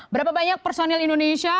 berapa banyak personil indonesia